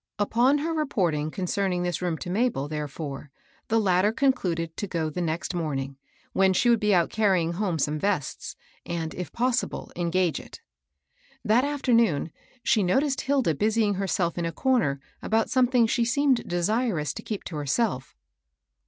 Upon her reporting concerning this room to Mabel, therefore, the latter concluded to go the next morning, when she would be out carrying home some vests, and, if possible, engage it. (129) 180 MABEL BOSS. That afternoon she noticed Hilda busying herself in a comer about something she seemed desirous to keep to herself.